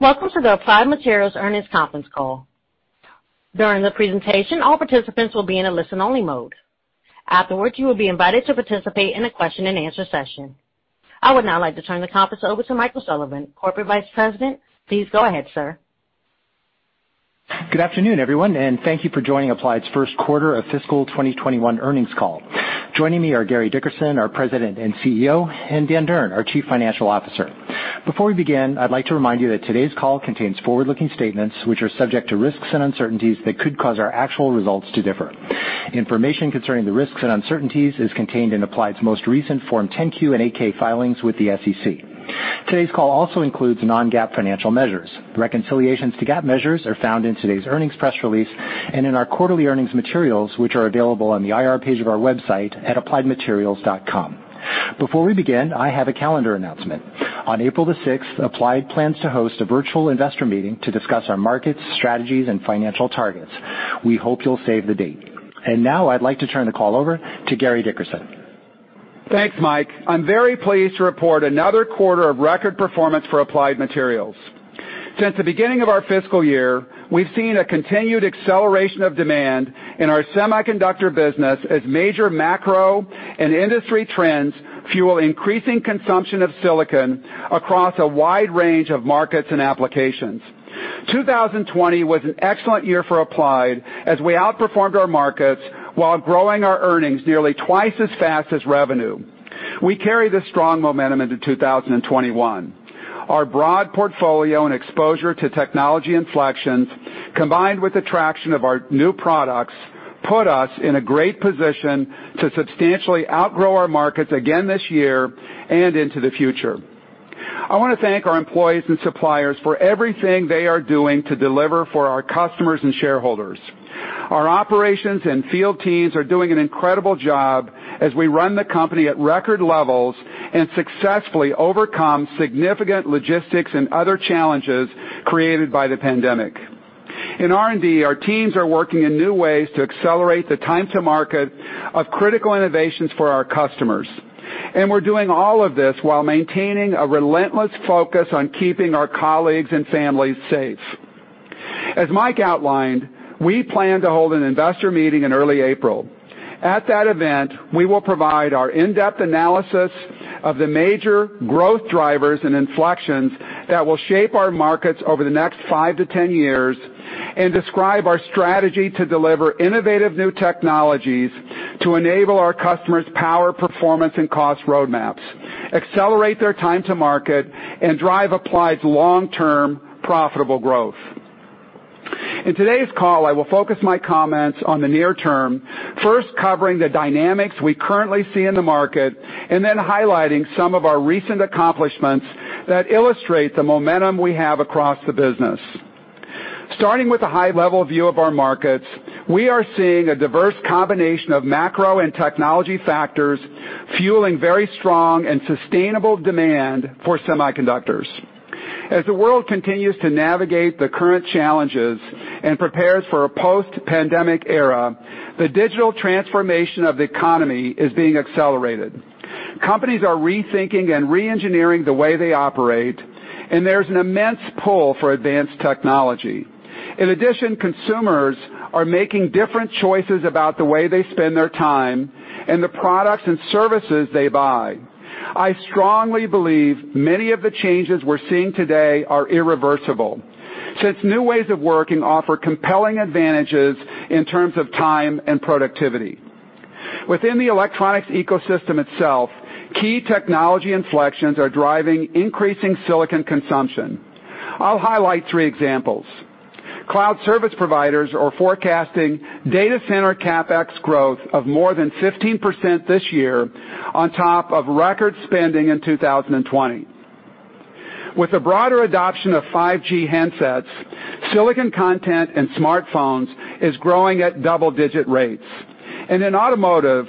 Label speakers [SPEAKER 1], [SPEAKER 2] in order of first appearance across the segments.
[SPEAKER 1] Welcome to the Applied Materials earnings conference call. During the presentation, all participants will be in a listen-only mode. Afterwards, you will be invited to participate in a question-and-answer session. I would now like to turn the conference over to Michael Sullivan, Corporate Vice President. Please go ahead, sir.
[SPEAKER 2] Good afternoon, everyone. Thank you for joining Applied's first quarter of fiscal 2021 earnings call. Joining me are Gary Dickerson, our President and Chief Executive Officer, and Dan Durn, our Chief Financial Officer. Before we begin, I'd like to remind you that today's call contains forward-looking statements, which are subject to risks and uncertainties that could cause our actual results to differ. Information concerning the risks and uncertainties is contained in Applied's most recent Form 10-Q and 8-K filings with the SEC. Today's call also includes non-GAAP financial measures. Reconciliations to GAAP measures are found in today's earnings press release and in our quarterly earnings materials, which are available on the IR page of our website at appliedmaterials.com. Before we begin, I have a calendar announcement. On April the 6th, Applied plans to host a virtual investor meeting to discuss our markets, strategies, and financial targets. We hope you'll save the date. Now I'd like to turn the call over to Gary Dickerson.
[SPEAKER 3] Thanks, Mike. I'm very pleased to report another quarter of record performance for Applied Materials. Since the beginning of our fiscal year, we've seen a continued acceleration of demand in our semiconductor business as major macro and industry trends fuel increasing consumption of silicon across a wide range of markets and applications. 2020 was an excellent year for Applied as we outperformed our markets while growing our earnings nearly twice as fast as revenue. We carry this strong momentum into 2021. Our broad portfolio and exposure to technology inflections, combined with the traction of our new products, put us in a great position to substantially outgrow our markets again this year and into the future. I want to thank our employees and suppliers for everything they are doing to deliver for our customers and shareholders. Our operations and field teams are doing an incredible job as we run the company at record levels and successfully overcome significant logistics and other challenges created by the pandemic. In R&D, our teams are working in new ways to accelerate the time to market of critical innovations for our customers. We're doing all of this while maintaining a relentless focus on keeping our colleagues and families safe. As Mike outlined, we plan to hold an investor meeting in early April. At that event, we will provide our in-depth analysis of the major growth drivers and inflections that will shape our markets over the next 5-10 years and describe our strategy to deliver innovative new technologies to enable our customers' power, performance, and cost roadmaps, accelerate their time to market, and drive Applied's long-term profitable growth. In today's call, I will focus my comments on the near term, first covering the dynamics we currently see in the market, and then highlighting some of our recent accomplishments that illustrate the momentum we have across the business. Starting with a high-level view of our markets, we are seeing a diverse combination of macro and technology factors fueling very strong and sustainable demand for semiconductors. As the world continues to navigate the current challenges and prepares for a post-pandemic era, the digital transformation of the economy is being accelerated. Companies are rethinking and re-engineering the way they operate, and there's an immense pull for advanced technology. In addition, consumers are making different choices about the way they spend their time and the products and services they buy. I strongly believe many of the changes we're seeing today are irreversible, since new ways of working offer compelling advantages in terms of time and productivity. Within the electronics ecosystem itself, key technology inflections are driving increasing silicon consumption. I'll highlight three examples. Cloud service providers are forecasting data center CapEx growth of more than 15% this year on top of record spending in 2020. With the broader adoption of 5G handsets, silicon content in smartphones is growing at double-digit rates. In automotive,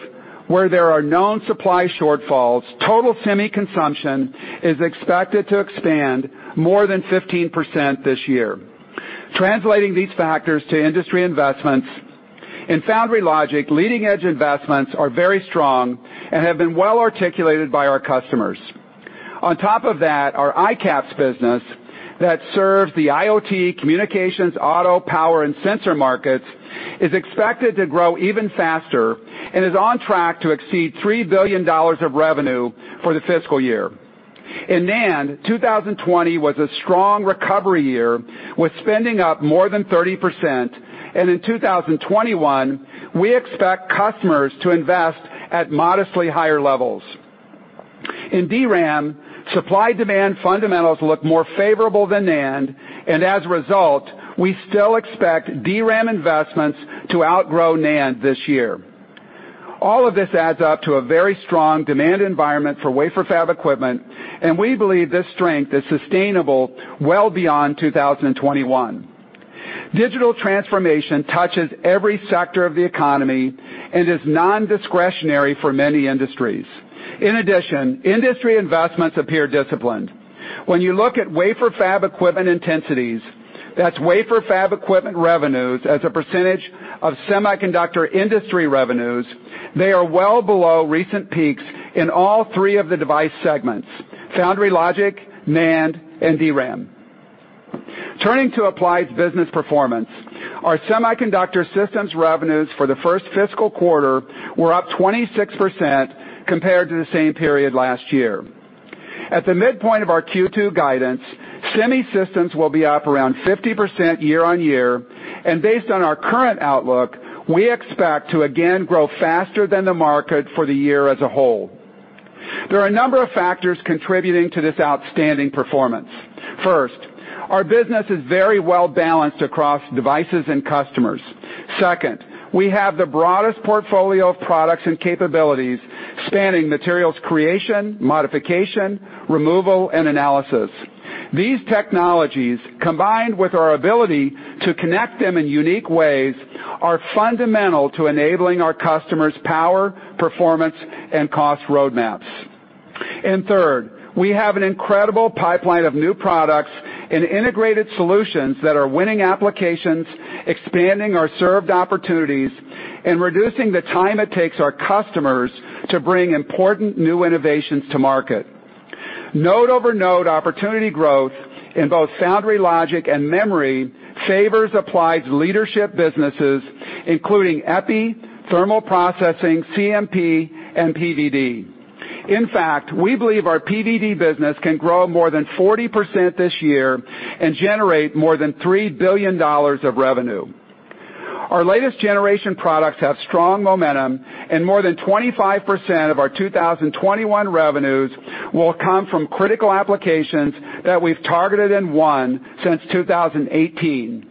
[SPEAKER 3] where there are known supply shortfalls, total semi consumption is expected to expand more than 15% this year. Translating these factors to industry investments, in foundry logic, leading-edge investments are very strong and have been well articulated by our customers. Our ICAPS business that serves the IoT, Communications, Auto, Power, and Sensor markets is expected to grow even faster and is on track to exceed $3 billion of revenue for the fiscal year. In NAND, 2020 was a strong recovery year, with spending up more than 30%, and in 2021, we expect customers to invest at modestly higher levels. In DRAM, supply-demand fundamentals look more favorable than NAND, and as a result, we still expect DRAM investments to outgrow NAND this year. All of this adds up to a very strong demand environment for wafer fab equipment, and we believe this strength is sustainable well beyond 2021. Digital transformation touches every sector of the economy and is non-discretionary for many industries. Industry investments appear disciplined. When you look at wafer fab equipment intensities. That's wafer fab equipment revenues as a percentage of semiconductor industry revenues. They are well below recent peaks in all three of the device segments, foundry logic, NAND, and DRAM. Turning to Applied's business performance, our semiconductor systems revenues for the first fiscal quarter were up 26% compared to the same period last year. At the midpoint of our Q2 guidance, semi systems will be up around 50% year-on-year, and based on our current outlook, we expect to again grow faster than the market for the year as a whole. There are a number of factors contributing to this outstanding performance. First, our business is very well-balanced across devices and customers. Second, we have the broadest portfolio of products and capabilities spanning materials creation, modification, removal, and analysis. These technologies, combined with our ability to connect them in unique ways, are fundamental to enabling our customers' power, performance, and cost roadmaps. Third, we have an incredible pipeline of new products and integrated solutions that are winning applications, expanding our served opportunities, and reducing the time it takes our customers to bring important new innovations to market. Node-over-node opportunity growth in both foundry logic and memory favors Applied's leadership businesses, including Epi, thermal processing, CMP, and PVD. In fact, we believe our PVD business can grow more than 40% this year and generate more than $3 billion of revenue. Our latest generation products have strong momentum, more than 25% of our 2021 revenues will come from critical applications that we've targeted and won since 2018.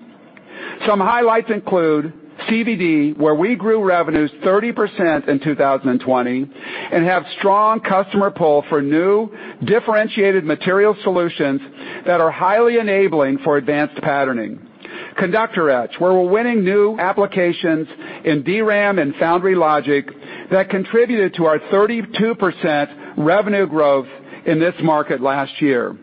[SPEAKER 3] Some highlights include CVD, where we grew revenues 30% in 2020 and have strong customer pull for new, differentiated material solutions that are highly enabling for advanced patterning. Conductor etch, where we're winning new applications in DRAM and foundry logic that contributed to our 32% revenue growth in this market last year.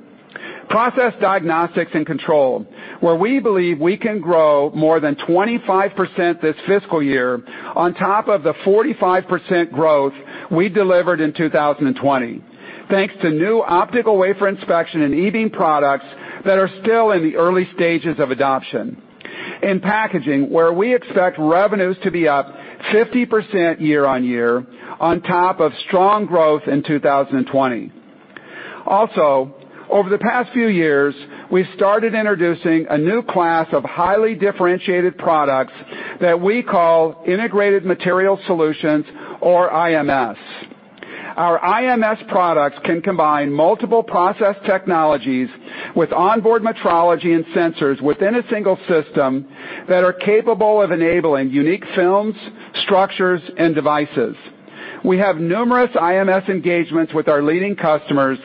[SPEAKER 3] Process Diagnostics and Control, where we believe we can grow more than 25% this fiscal year on top of the 45% growth we delivered in 2020, thanks to new optical wafer inspection and E-beam products that are still in the early stages of adoption. In packaging, where we expect revenues to be up 50% year-on-year on top of strong growth in 2020. Over the past few years, we started introducing a new class of highly differentiated products that we call Integrated Materials Solution or IMS. Our IMS products can combine multiple process technologies with onboard metrology and sensors within a single system that are capable of enabling unique films, structures, and devices. We have numerous IMS engagements with our leading customers,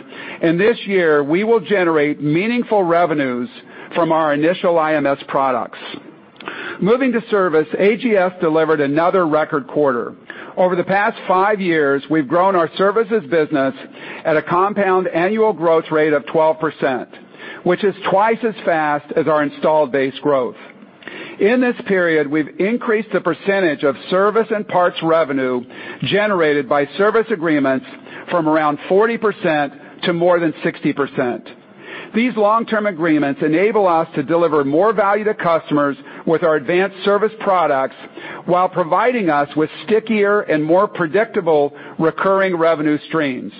[SPEAKER 3] and this year we will generate meaningful revenues from our initial IMS products. Moving to service, AGS delivered another record quarter. Over the past five years, we've grown our services business at a compound annual growth rate of 12%, which is twice as fast as our installed base growth. In this period, we've increased the percentage of service and parts revenue generated by service agreements from around 40% to more than 60%. These long-term agreements enable us to deliver more value to customers with our advanced service products while providing us with stickier and more predictable recurring revenue streams.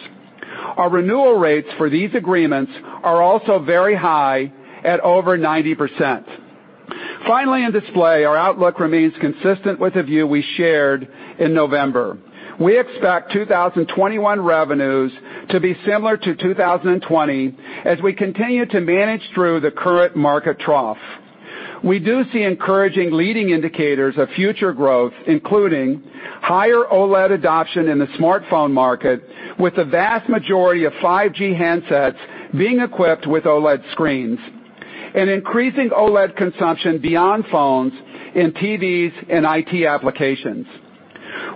[SPEAKER 3] Our renewal rates for these agreements are also very high at over 90%. Finally, in display, our outlook remains consistent with the view we shared in November. We expect 2021 revenues to be similar to 2020 as we continue to manage through the current market trough. We do see encouraging leading indicators of future growth, including higher OLED adoption in the smartphone market, with the vast majority of 5G handsets being equipped with OLED screens, and increasing OLED consumption beyond phones in TVs and IT applications.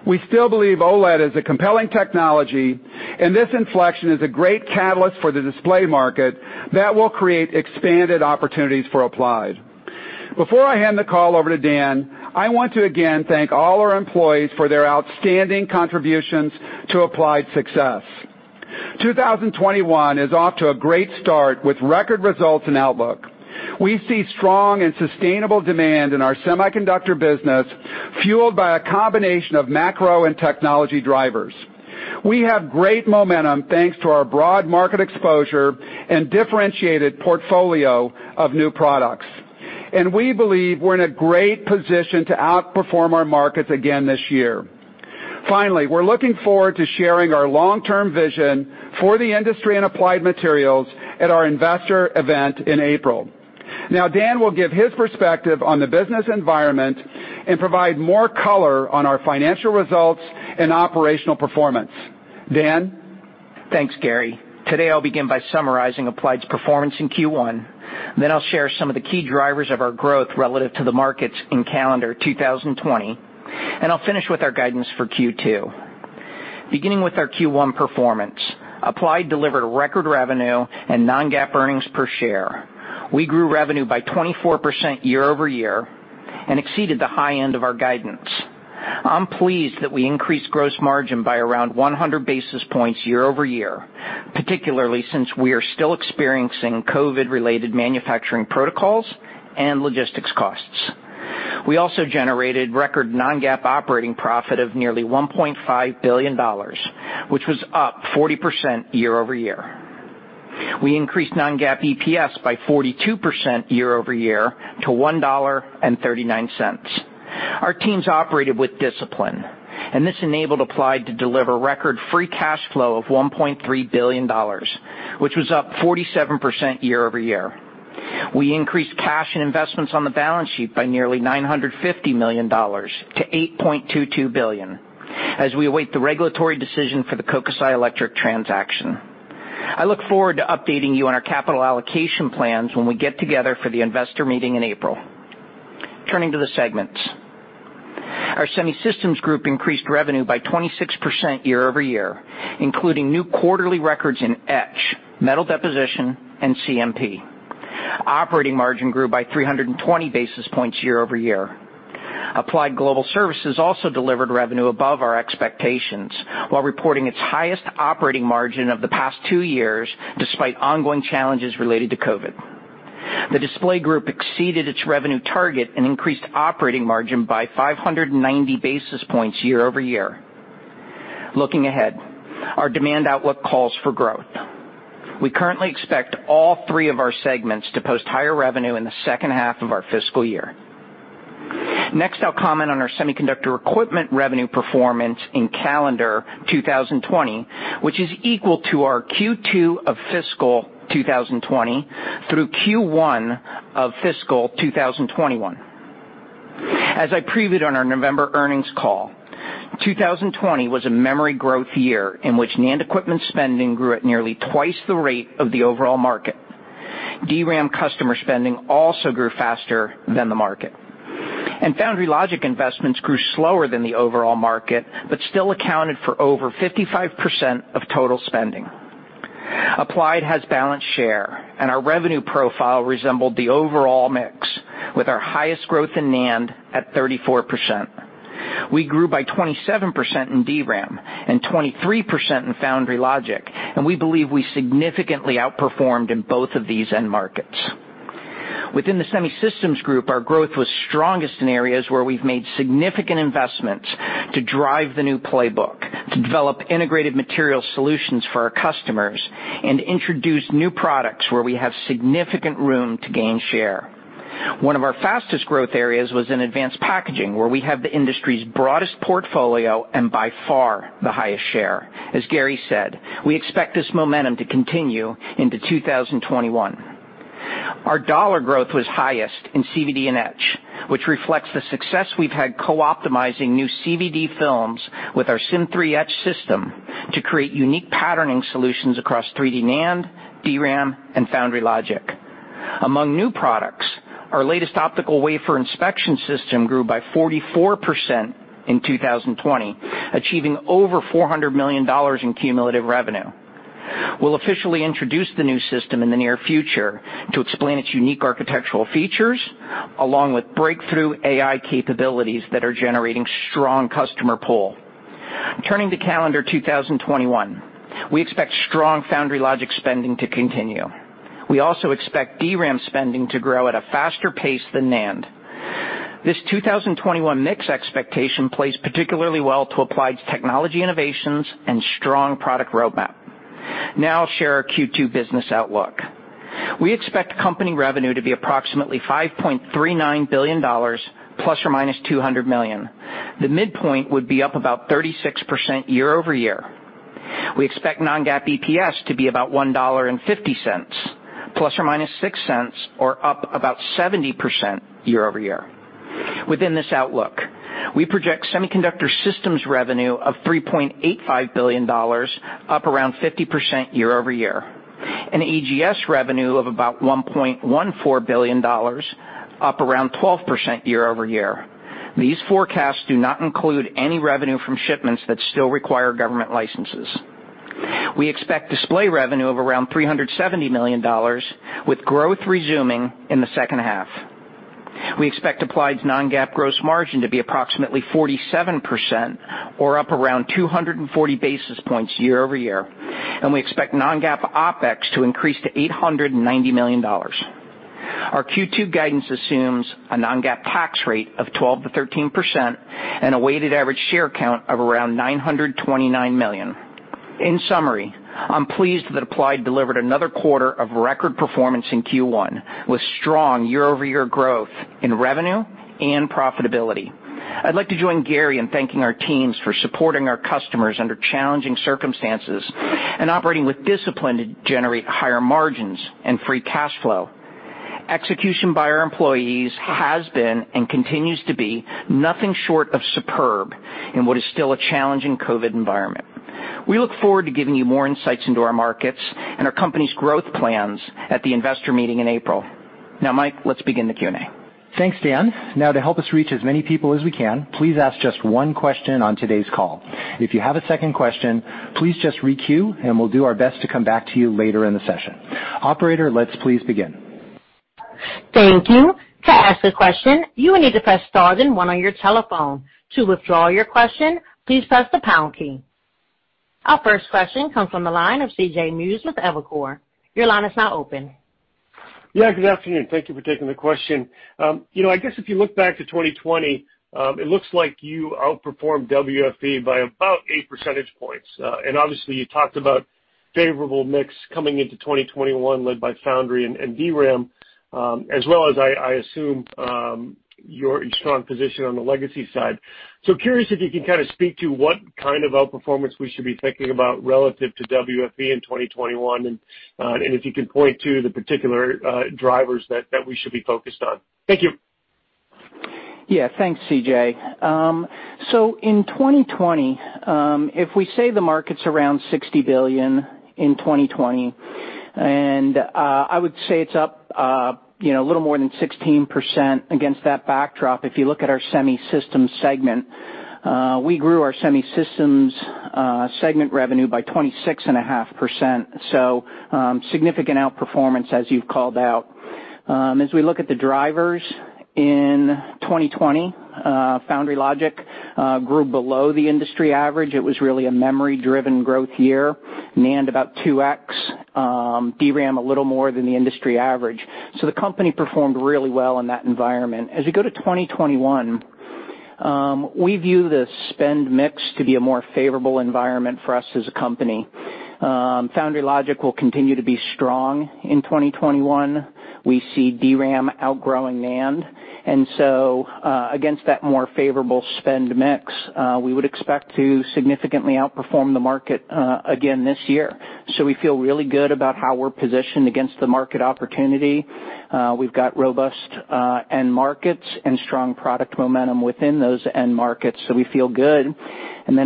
[SPEAKER 3] We still believe OLED is a compelling technology, and this inflection is a great catalyst for the display market that will create expanded opportunities for Applied. Before I hand the call over to Dan, I want to again thank all our employees for their outstanding contributions to Applied's success. 2021 is off to a great start with record results and outlook. We see strong and sustainable demand in our semiconductor business, fueled by a combination of macro and technology drivers. We have great momentum, thanks to our broad market exposure and differentiated portfolio of new products. We believe we're in a great position to outperform our markets again this year. Finally, we're looking forward to sharing our long-term vision for the industry and Applied Materials at our investor event in April. Now Dan will give his perspective on the business environment and provide more color on our financial results and operational performance. Dan?
[SPEAKER 4] Thanks, Gary. Today, I'll begin by summarizing Applied's performance in Q1. I'll share some of the key drivers of our growth relative to the markets in calendar 2020, and I'll finish with our guidance for Q2. Beginning with our Q1 performance, Applied delivered record revenue and non-GAAP earnings per share. We grew revenue by 24% YoY and exceeded the high end of our guidance. I'm pleased that I increased gross margin by around 100 basis points YoY, particularly since we are still experiencing COVID-related manufacturing protocols and logistics costs. We generated record non-GAAP operating profit of nearly $1.5 billion, which was up 40% YoY. We increased non-GAAP EPS by 42% YoY to $1.39. Our teams operated with discipline, and this enabled Applied to deliver record free cash flow of $1.3 billion, which was up 47% YoY. We increased cash and investments on the balance sheet by nearly $950 million-$8.22 billion as we await the regulatory decision for the Kokusai Electric transaction. I look forward to updating you on our capital allocation plans when we get together for the investor meeting in April. Turning to the segments. Our Semi Systems Group increased revenue by 26% YoY, including new quarterly records in etch, metal deposition, and CMP. Operating margin grew by 320 basis points YoY. Applied Global Services also delivered revenue above our expectations while reporting its highest operating margin of the past two years, despite ongoing challenges related to COVID. The Display Group exceeded its revenue target and increased operating margin by 590 basis points YoY. Looking ahead, our demand outlook calls for growth. We currently expect all three of our segments to post higher revenue in the second half of our fiscal year. Next, I'll comment on our semiconductor equipment revenue performance in calendar 2020, which is equal to our Q2 of fiscal 2020 through Q1 of fiscal 2021. As I previewed on our November earnings call, 2020 was a memory growth year in which NAND equipment spending grew at nearly twice the rate of the overall market. DRAM customer spending also grew faster than the market. Foundry logic investments grew slower than the overall market, but still accounted for over 55% of total spending. Applied has balanced share, and our revenue profile resembled the overall mix, with our highest growth in NAND at 34%. We grew by 27% in DRAM and 23% in foundry logic, and we believe we significantly outperformed in both of these end markets. Within the Semi Systems Group, our growth was strongest in areas where we've made significant investments to drive the new playbook, to develop Integrated Materials Solution for our customers, and introduce new products where we have significant room to gain share. One of our fastest growth areas was in advanced packaging, where we have the industry's broadest portfolio and by far the highest share. As Gary said, we expect this momentum to continue into 2021. Our dollar growth was highest in CVD and etch, which reflects the success we've had co-optimizing new CVD films with our Sym3 etch system to create unique patterning solutions across 3D NAND, DRAM, and foundry logic. Among new products, our latest optical wafer inspection system grew by 44% in 2020, achieving over $400 million in cumulative revenue. We'll officially introduce the new system in the near future to explain its unique architectural features, along with breakthrough AI capabilities that are generating strong customer pull. Turning to calendar 2021, we expect strong foundry logic spending to continue. We also expect DRAM spending to grow at a faster pace than NAND. This 2021 mix expectation plays particularly well to Applied's technology innovations and strong product roadmap. I'll share our Q2 business outlook. We expect company revenue to be approximately $5.39 billion ± $200 million. The midpoint would be up about 36% YoY. We expect non-GAAP EPS to be about $1.50 ± $0.06, or up about 70% YoY. Within this outlook, we project semiconductor systems revenue of $3.85 billion, up around 50% YoY, and AGS revenue of about $1.14 billion, up around 12% YoY. These forecasts do not include any revenue from shipments that still require government licenses. We expect display revenue of around $370 million, with growth resuming in the second half. We expect Applied's non-GAAP gross margin to be approximately 47%, or up around 240 basis points YoY, and we expect non-GAAP OpEx to increase to $890 million. Our Q2 guidance assumes a non-GAAP tax rate of 12%-13% and a weighted average share count of around 929 million. In summary, I'm pleased that Applied delivered another quarter of record performance in Q1 with strong YoY growth in revenue and profitability. I'd like to join Gary in thanking our teams for supporting our customers under challenging circumstances and operating with discipline to generate higher margins and free cash flow. Execution by our employees has been, and continues to be, nothing short of superb in what is still a challenging COVID-19 environment. We look forward to giving you more insights into our markets and our company's growth plans at the investor meeting in April. Mike, let's begin the Q&A.
[SPEAKER 2] Thanks, Dan. To help us reach as many people as we can, please ask just one question on today's call. If you have a second question, please just re-queue, and we'll do our best to come back to you later in the session. Operator, let's please begin.
[SPEAKER 1] Thank you. To ask a question, you will need to press star then one on your telephone keypad. To withdraw your question, please press the pound key. Our first question comes from the line of CJ Muse with Evercore. Your line is now open.
[SPEAKER 5] Yeah, good afternoon. Thank you for taking the question. I guess if you look back to 2020, it looks like you outperformed WFE by about eight percentage points. Obviously you talked about favorable mix coming into 2021, led by foundry and DRAM, as well as, I assume, your strong position on the legacy side. Curious if you can kind of speak to what kind of outperformance we should be thinking about relative to WFE in 2021, and if you can point to the particular drivers that we should be focused on. Thank you.
[SPEAKER 4] Thanks, CJ In 2020, if we say the market's around $60 billion in 2020, and I would say it's up a little more than 16% against that backdrop. If you look at our semi-system segment, we grew our semi-system segment revenue by 26.5%. Significant outperformance as you've called out. As we look at the drivers in 2020, foundry logic grew below the industry average. It was really a memory-driven growth year. NAND about 2x, DRAM a little more than the industry average. The company performed really well in that environment. As we go to 2021, we view the spend mix to be a more favorable environment for us as a company. Foundry logic will continue to be strong in 2021. We see DRAM outgrowing NAND, against that more favorable spend mix, we would expect to significantly outperform the market again this year. We feel really good about how we're positioned against the market opportunity. We've got robust end markets and strong product momentum within those end markets, so we feel good.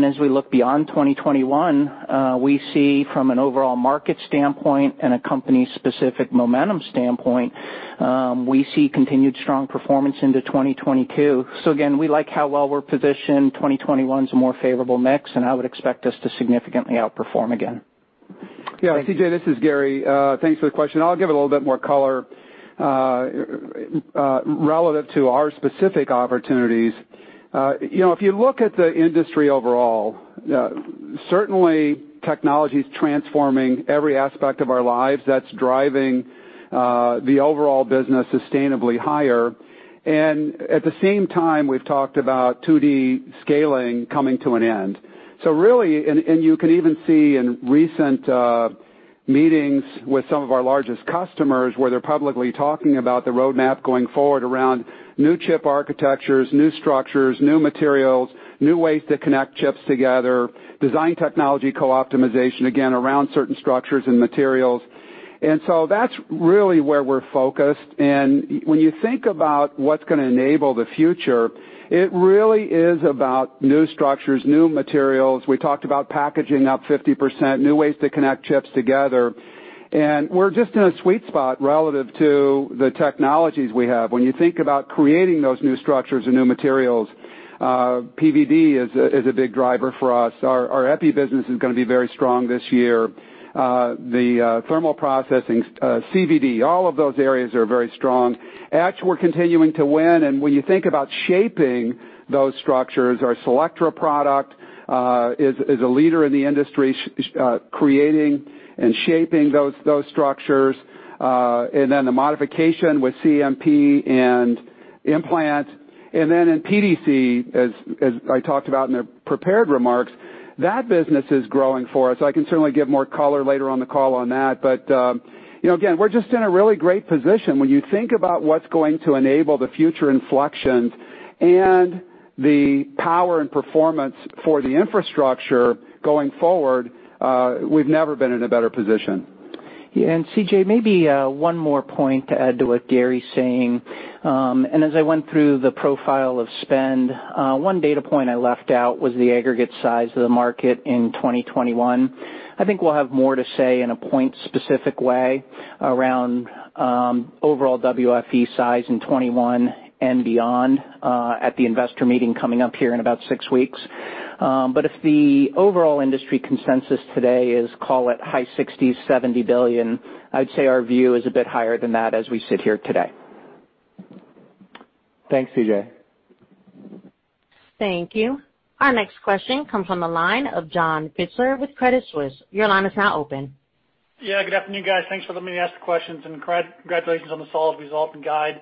[SPEAKER 4] As we look beyond 2021, we see from an overall market standpoint and a company specific momentum standpoint, we see continued strong performance into 2022. Again, we like how well we're positioned. 2021 is a more favorable mix, and I would expect us to significantly outperform again.
[SPEAKER 3] Yeah, CJ, this is Gary. Thanks for the question. I'll give it a little bit more color relative to our specific opportunities. If you look at the industry overall, certainly technology's transforming every aspect of our lives that's driving the overall business sustainably higher. At the same time, we've talked about 2D scaling coming to an end. Really, and you can even see in recent meetings with some of our largest customers, where they're publicly talking about the roadmap going forward around new chip architectures, new structures, new materials, new ways to connect chips together, design technology co-optimization, again, around certain structures and materials. That's really where we're focused. When you think about what's going to enable the future, it really is about new structures, new materials. We talked about packaging up 50%, new ways to connect chips together, and we're just in a sweet spot relative to the technologies we have. When you think about creating those new structures and new materials, PVD is a big driver for us. Our Epi business is going to be very strong this year. The thermal processing, CVD, all of those areas are very strong. Etch, we're continuing to win, and when you think about shaping those structures, our Selectra product is a leader in the industry creating and shaping those structures. The modification with CMP and implant. In PDC, as I talked about in the prepared remarks, that business is growing for us. I can certainly give more color later on the call on that. Again, we're just in a really great position. When you think about what's going to enable the future inflections and the power and performance for the infrastructure going forward, we've never been in a better position.
[SPEAKER 4] Yeah, CJ, maybe one more point to add to what Gary's saying. As I went through the profile of spend, one data point I left out was the aggregate size of the market in 2021. I think we'll have more to say in a point specific way around overall WFE size in 2021 and beyond, at the investor meeting coming up here in about six weeks. If the overall industry consensus today is call it high $60 billion, $70 billion, I'd say our view is a bit higher than that as we sit here today.
[SPEAKER 2] Thanks, CJ.
[SPEAKER 1] Thank you. Our next question comes from the line of John Pitzer with Credit Suisse. Your line is now open.
[SPEAKER 6] Yeah, good afternoon, guys. Thanks for letting me ask the questions, and congratulations on the solid result and guide.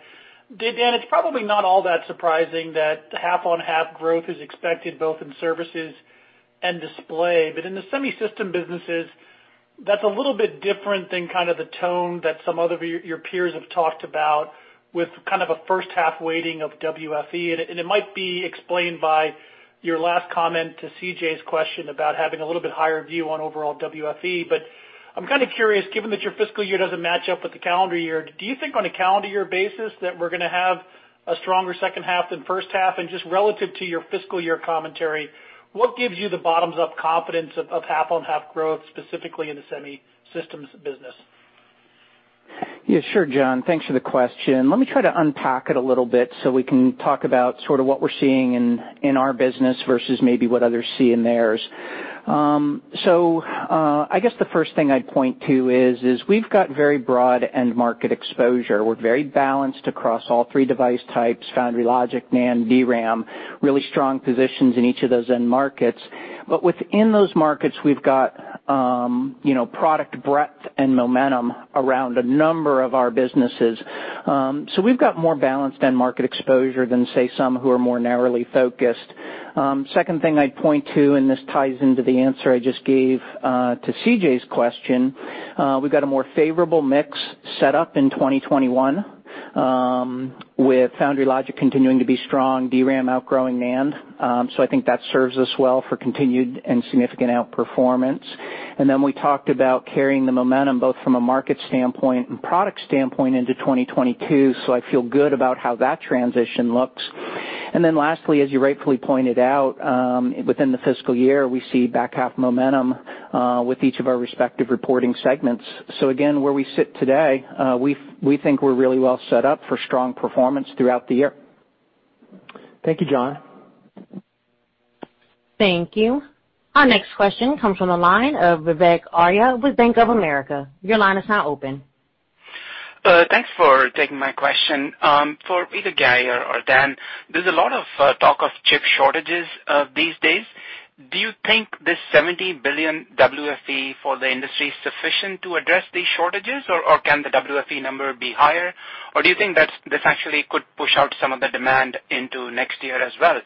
[SPEAKER 6] Dan, it's probably not all that surprising that the half-on-half growth is expected both in services and display. In the semi-system businesses, that's a little bit different than kind of the tone that some of your peers have talked about with kind of a first half weighting of WFE, and it might be explained by your last comment to CJ's question about having a little bit higher view on overall WFE. I'm kind of curious, given that your fiscal year doesn't match up with the calendar year, do you think on a calendar year basis that we're going to have a stronger second half than first half? Just relative to your fiscal year commentary, what gives you the bottoms up confidence of half-on-half growth, specifically in the semi systems business?
[SPEAKER 4] Yeah, sure, John. Thanks for the question. Let me try to unpack it a little bit so we can talk about sort of what we're seeing in our business versus maybe what others see in theirs. I guess the first thing I'd point to is we've got very broad end market exposure. We're very balanced across all three device types, foundry logic, NAND, DRAM, really strong positions in each of those end markets. Within those markets, we've got product breadth and momentum around a number of our businesses. We've got more balanced end market exposure than, say, some who are more narrowly focused. Second thing I'd point to, and this ties into the answer I just gave to CJ's question, we've got a more favorable mix set up in 2021, with foundry logic continuing to be strong, DRAM outgrowing NAND. I think that serves us well for continued and significant outperformance. We talked about carrying the momentum, both from a market standpoint and product standpoint into 2022, so I feel good about how that transition looks. Lastly, as you rightfully pointed out, within the fiscal year, we see back half momentum, with each of our respective reporting segments. Again, where we sit today, we think we're really well set up for strong performance throughout the year.
[SPEAKER 2] Thank you, John.
[SPEAKER 1] Thank you. Our next question comes from the line of Vivek Arya with Bank of America. Your line is now open.
[SPEAKER 7] Thanks for taking my question. For either Gary Dickerson or Dan Durn, there's a lot of talk of chip shortages these days. Do you think this $70 billion WFE for the industry is sufficient to address these shortages, or can the WFE number be higher? Do you think that this actually could push out some of the demand into next year as well,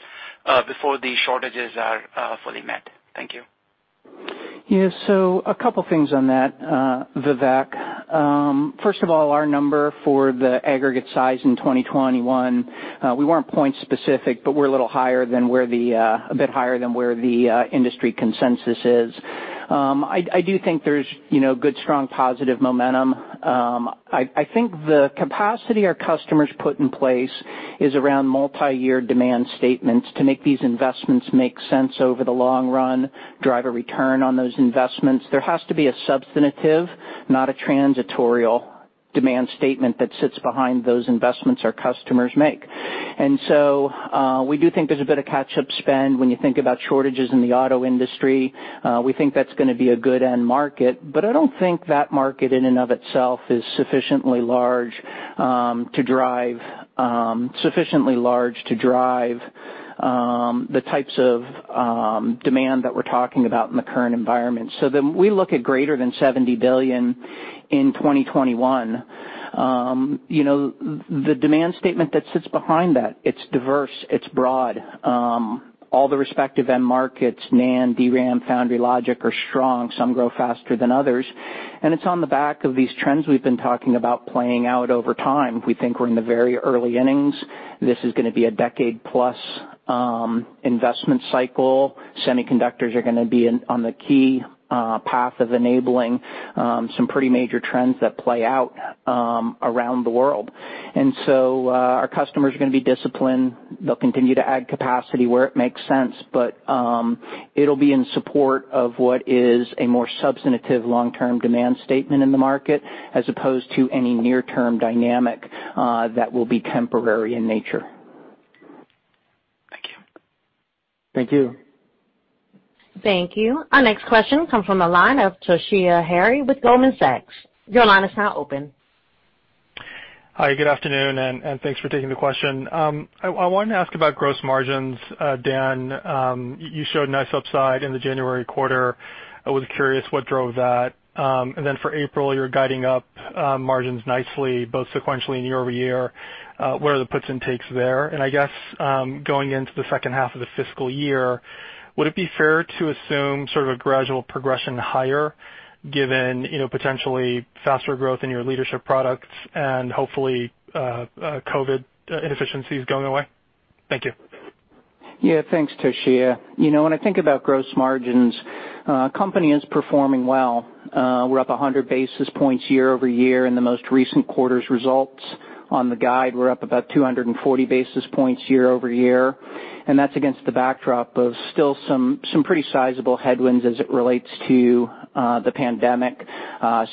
[SPEAKER 7] before these shortages are fully met? Thank you.
[SPEAKER 4] Yeah. A couple things on that, Vivek. First of all, our number for the aggregate size in 2021, we weren't point specific, but we're a little higher than where the industry consensus is. I do think there's good, strong, positive momentum. I think the capacity our customers put in place is around multi-year demand statements to make these investments make sense over the long run, drive a return on those investments. There has to be a substantive, not a transitory demand statement that sits behind those investments our customers make. We do think there's a bit of catch-up spend when you think about shortages in the auto industry. We think that's going to be a good end market, I don't think that market in and of itself is sufficiently large to drive the types of demand that we're talking about in the current environment. We look at greater than $70 billion in 2021. The demand statement that sits behind that, it's diverse, it's broad. All the respective end markets, NAND, DRAM, foundry logic, are strong. Some grow faster than others. It's on the back of these trends we've been talking about playing out over time. We think we're in the very early innings. This is going to be a decade-plus investment cycle. Semiconductors are going to be on the key path of enabling some pretty major trends that play out around the world. Our customers are going to be disciplined. They'll continue to add capacity where it makes sense, but it'll be in support of what is a more substantive long-term demand statement in the market, as opposed to any near-term dynamic that will be temporary in nature.
[SPEAKER 7] Thank you.
[SPEAKER 2] Thank you.
[SPEAKER 1] Thank you. Our next question comes from the line of Toshiya Hari with Goldman Sachs. Your line is now open.
[SPEAKER 8] Hi, good afternoon. Thanks for taking the question. I wanted to ask about gross margins, Dan. You showed nice upside in the January quarter. I was curious what drove that. For April, you're guiding up margins nicely, both sequentially and YoY. What are the puts and takes there? I guess, going into the second half of the fiscal year, would it be fair to assume sort of a gradual progression higher given potentially faster growth in your leadership products and hopefully COVID inefficiencies going away? Thank you.
[SPEAKER 4] Yeah. Thanks, Toshiya. When I think about gross margins, company is performing well. We're up 100 basis points YoY in the most recent quarter's results. On the guide, we're up about 240 basis points YoY. That's against the backdrop of still some pretty sizable headwinds as it relates to the pandemic,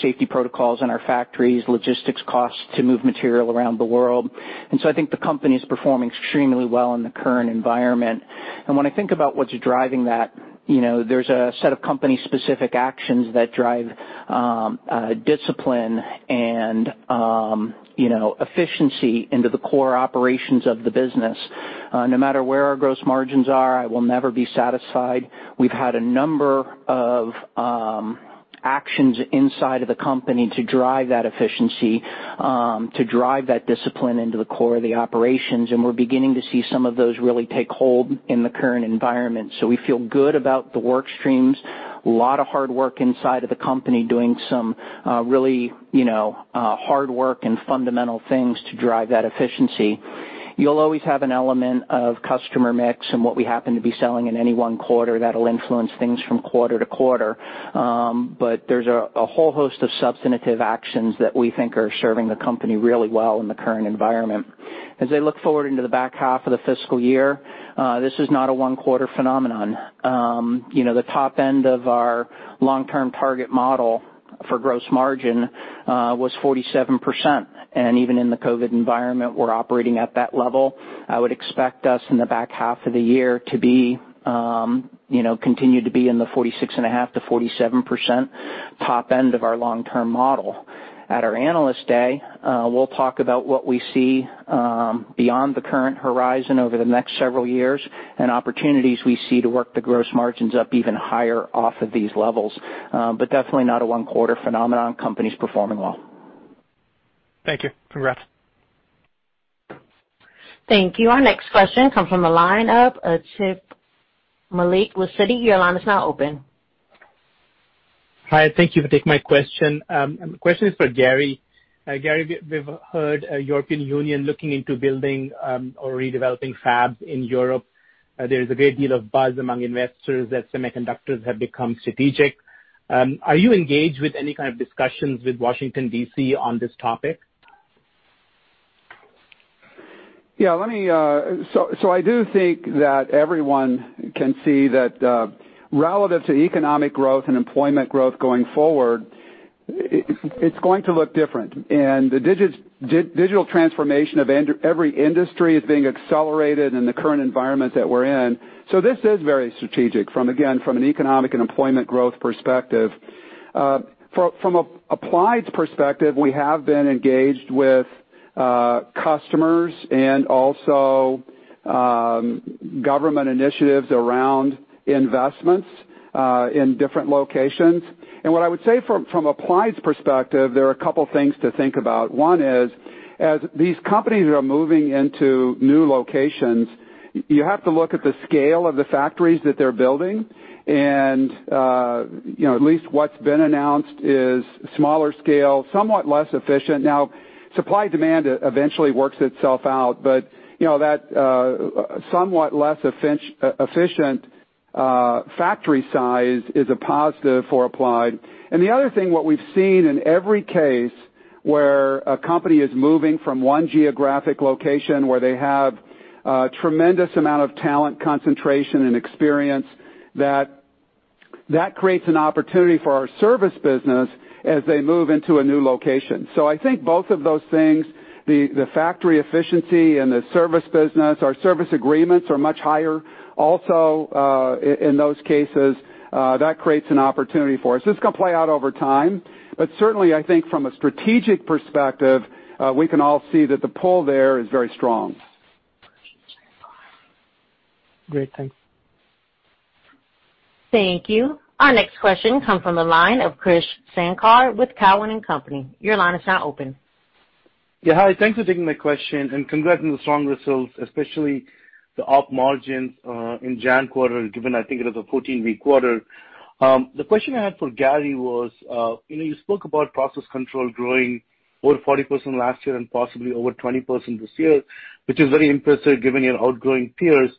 [SPEAKER 4] safety protocols in our factories, logistics costs to move material around the world. I think the company's performing extremely well in the current environment. When I think about what's driving that, there's a set of company-specific actions that drive discipline and efficiency into the core operations of the business. No matter where our gross margins are, I will never be satisfied. We've had a number of actions inside of the company to drive that efficiency, to drive that discipline into the core of the operations, and we're beginning to see some of those really take hold in the current environment. We feel good about the work streams. A lot of hard work inside of the company doing some really hard work and fundamental things to drive that efficiency. You'll always have an element of customer mix and what we happen to be selling in any one quarter that'll influence things from quarter-to-quarter. There's a whole host of substantive actions that we think are serving the company really well in the current environment. As I look forward into the back half of the fiscal year, this is not a one-quarter phenomenon. The top end of our long-term target model. For gross margin was 47%. Even in the COVID environment, we're operating at that level. I would expect us in the back half of the year to continue to be in the 46.5%-47% top end of our long-term model. At our Analyst Day, we'll talk about what we see beyond the current horizon over the next several years, and opportunities we see to work the gross margins up even higher off of these levels. Definitely not a one-quarter phenomenon. Company's performing well.
[SPEAKER 8] Thank you. Congrats.
[SPEAKER 1] Thank you. Our next question comes from the line of Atif Malik with Citi. Your line is now open.
[SPEAKER 9] Hi, thank you for taking my question. My question is for Gary. Gary, we've heard European Union looking into building or redeveloping fabs in Europe. There is a great deal of buzz among investors that semiconductors have become strategic. Are you engaged with any kind of discussions with Washington, D.C. on this topic?
[SPEAKER 3] Yeah. I do think that everyone can see that relative to economic growth and employment growth going forward, it's going to look different. The digital transformation of every industry is being accelerated in the current environment that we're in. This is very strategic, again, from an economic and employment growth perspective. From Applied's perspective, we have been engaged with customers and also government initiatives around investments, in different locations. What I would say from Applied's perspective, there are a couple of things to think about. One is, as these companies are moving into new locations, you have to look at the scale of the factories that they're building, and at least what's been announced is smaller scale, somewhat less efficient. Now, supply-demand eventually works itself out, but that somewhat less efficient factory size is a positive for Applied. The other thing, what we've seen in every case where a company is moving from one geographic location where they have a tremendous amount of talent, concentration, and experience, that creates an opportunity for our service business as they move into a new location. I think both of those things, the factory efficiency and the service business, our service agreements are much higher also, in those cases. That creates an opportunity for us. This is going to play out over time, but certainly I think from a strategic perspective, we can all see that the pull there is very strong.
[SPEAKER 9] Great. Thanks.
[SPEAKER 1] Thank you. Our next question comes from the line of Krish Sankar with Cowen and Company. Your line is now open.
[SPEAKER 10] Yeah. Hi, thanks for taking my question. Congrats on the strong results, especially the op margins, in January quarter, given I think it was a 14-week quarter. The question I had for Gary was, you spoke about process control growing over 40% last year and possibly over 20% this year, which is very impressive given your outgrowing peers.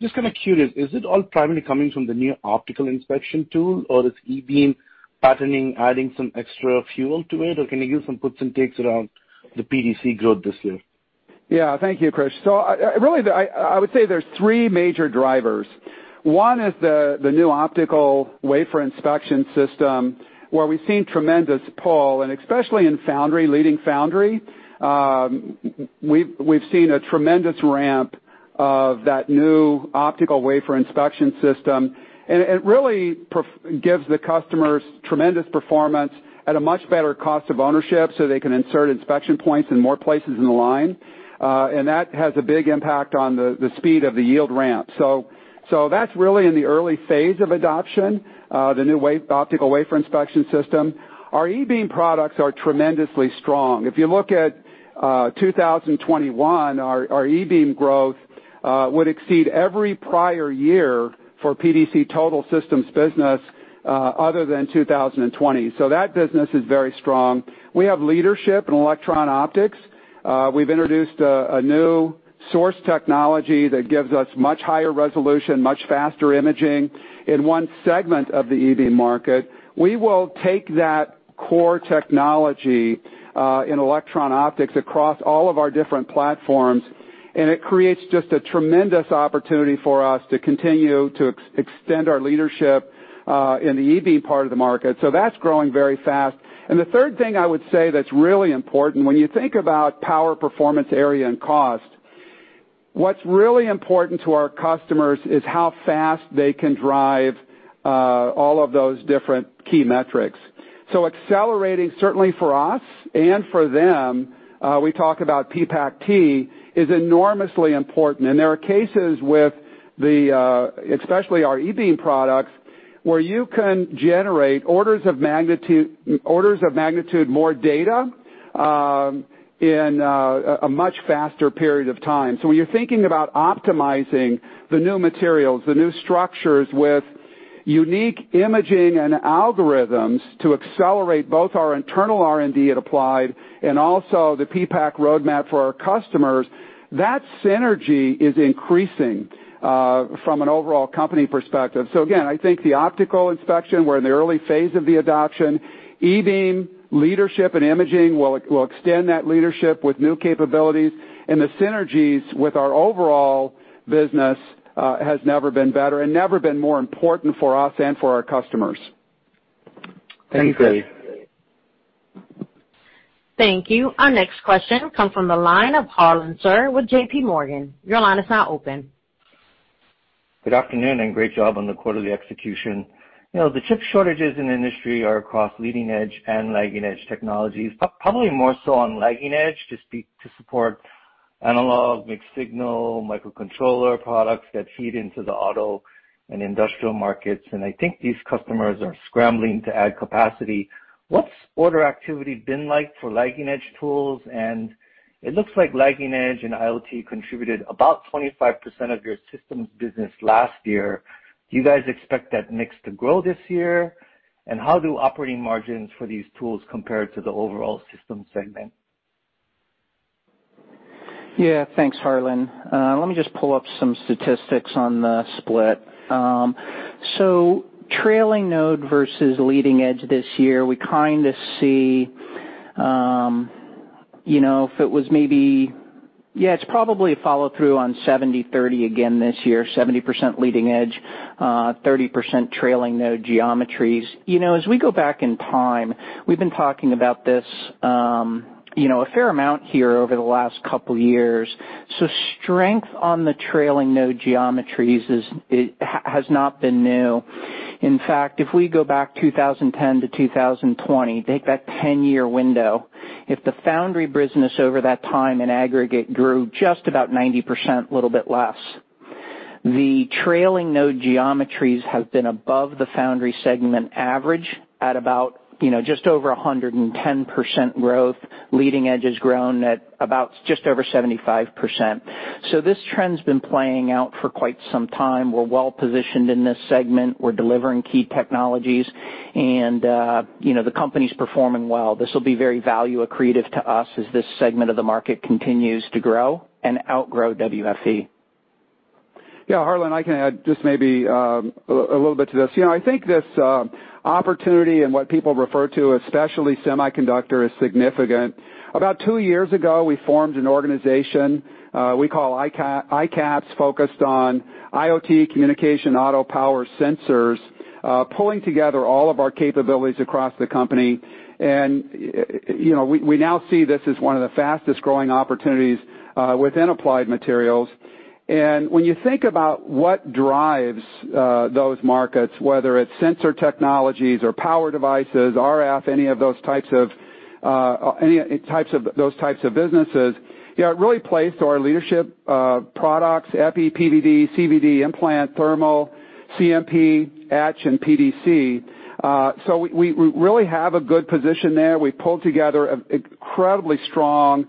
[SPEAKER 10] Just kind of curious, is it all primarily coming from the new optical inspection tool, or is E-beam patterning adding some extra fuel to it, or can you give some puts and takes around the PDC growth this year?
[SPEAKER 3] Thank you, Krish. Really, I would say there's three major drivers. One is the new optical wafer inspection system, where we've seen tremendous pull, and especially in foundry, leading foundry. We've seen a tremendous ramp of that new optical wafer inspection system, and it really gives the customers tremendous performance at a much better cost of ownership, so they can insert inspection points in more places in the line. That has a big impact on the speed of the yield ramp. That's really in the early phase of adoption, the new optical wafer inspection system. Our E-beam products are tremendously strong. If you look at 2021, our E-beam growth would exceed every prior year for PDC total systems business, other than 2020. That business is very strong. We have leadership in electron optics. We've introduced a new source technology that gives us much higher resolution, much faster imaging in one segment of the E-beam market. We will take that core technology, in electron optics, across all of our different platforms, it creates just a tremendous opportunity for us to continue to extend our leadership, in the E-beam part of the market. That's growing very fast. The third thing I would say that's really important, when you think about Power, Performance, Area, and Cost, what's really important to our customers is how fast they can drive all of those different key metrics. Accelerating, certainly for us and for them, we talk about PPACt, is enormously important. There are cases with especially our E-beam products, where you can generate orders of magnitude more data in a much faster period of time. When you're thinking about optimizing the new materials, the new structures with unique imaging and algorithms to accelerate both our internal R&D at Applied and also the PPAC roadmap for our customers, that synergy is increasing from an overall company perspective. Again, I think the optical inspection, we're in the early phase of the adoption. E-beam leadership and imaging will extend that leadership with new capabilities. The synergies with our overall business has never been better and never been more important for us and for our customers.
[SPEAKER 10] Thank you.
[SPEAKER 1] Thank you. Our next question comes from the line of Harlan Sur with J.P. Morgan. Your line is now open.
[SPEAKER 11] Good afternoon, great job on the quarterly execution. The chip shortages in the industry are across leading-edge and lagging-edge technologies, probably more so on lagging-edge to support analog, mixed-signal, microcontroller products that feed into the auto and industrial markets, and I think these customers are scrambling to add capacity. What's order activity been like for lagging-edge tools? It looks like lagging-edge and IoT contributed about 25% of your systems business last year. Do you guys expect that mix to grow this year? How do operating margins for these tools compare to the overall system segment?
[SPEAKER 4] Thanks, Harlan. Let me just pull up some statistics on the split. Trailing node versus leading edge this year, we kind of see, it's probably a follow-through on 70%-30% again this year, 70% leading edge, 30% trailing node geometries. As we go back in time, we've been talking about this a fair amount here over the last couple of years. Strength on the trailing node geometries has not been new. In fact, if we go back 2010-2020, take that 10-year window, if the foundry business over that time in aggregate grew just about 90%, a little bit less, the trailing node geometries have been above the foundry segment average at about just over 110% growth. Leading edge has grown at about just over 75%. This trend's been playing out for quite some time. We're well-positioned in this segment. We're delivering key technologies, and the company's performing well. This will be very value accretive to us as this segment of the market continues to grow and outgrow WFE.
[SPEAKER 3] Yeah, Harlan, I can add just maybe a little bit to this. I think this opportunity and what people refer to as specialty semiconductor is significant. About two years ago, we formed an organization we call ICAPS, focused on IoT, Communication, Auto Power Sensors, pulling together all of our capabilities across the company. We now see this as one of the fastest-growing opportunities within Applied Materials. When you think about what drives those markets, whether it's sensor technologies or power devices, RF, any of those types of businesses, it really plays to our leadership products, Epi, PVD, CVD, implant, thermal, CMP, etch, and PDC. We really have a good position there. We pulled together an incredibly strong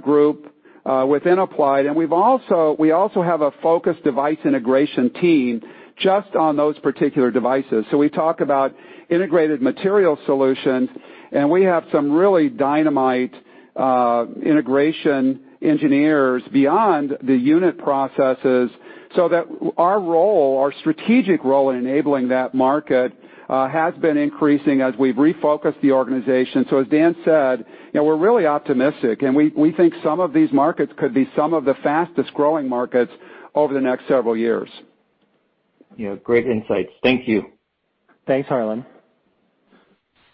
[SPEAKER 3] group within Applied, and we also have a focused device integration team just on those particular devices. We talk about Integrated Materials Solution, and we have some really dynamite integration engineers beyond the unit processes, so that our role, our strategic role in enabling that market, has been increasing as we've refocused the organization. As Dan said, we're really optimistic, and we think some of these markets could be some of the fastest-growing markets over the next several years.
[SPEAKER 11] Yeah, great insights. Thank you.
[SPEAKER 4] Thanks, Harlan.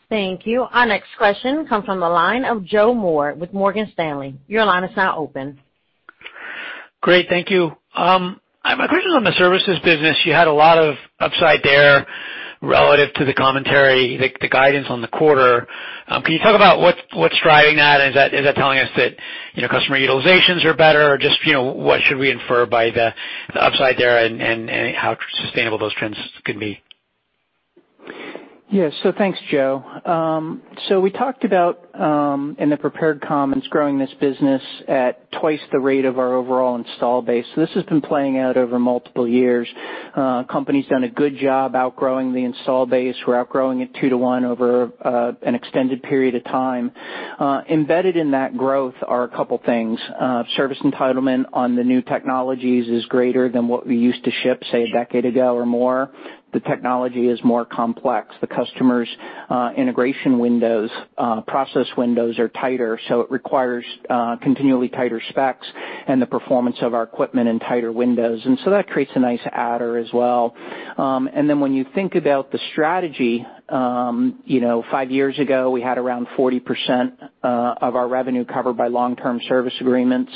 [SPEAKER 1] Thank you. Our next question comes from the line of Joe Moore with Morgan Stanley. Your line is now open.
[SPEAKER 12] Great. Thank you. I have a question on the services business. You had a lot of upside there relative to the commentary, the guidance on the quarter. Can you talk about what's driving that? Is that telling us that customer utilizations are better? Just what should we infer by the upside there and how sustainable those trends could be?
[SPEAKER 4] Thanks, Joe. We talked about, in the prepared comments, growing this business at twice the rate of our overall install base. This has been playing out over multiple years. Company's done a good job outgrowing the install base. We're outgrowing it two to one over an extended period of time. Embedded in that growth are a couple things. Service entitlement on the new technologies is greater than what we used to ship, say, a decade ago or more. The technology is more complex. The customers' integration windows, process windows are tighter, it requires continually tighter specs and the performance of our equipment in tighter windows, that creates a nice adder as well. When you think about the strategy, five years ago, we had around 40% of our revenue covered by long-term service agreements.